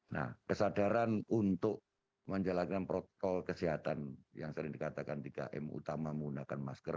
nah kesadaran untuk menjalankan protokol kesehatan yang sering dikatakan tiga m utama menggunakan masker